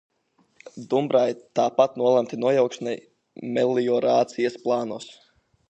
"Dumbrāji" tāpat nolemti nojaukšanai meliorācijas plānos.